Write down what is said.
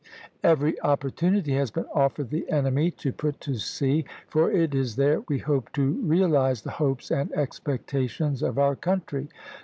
Every opportunity has been offered the enemy to put to sea, for it is there we hope to realize the hopes and expectations of our country."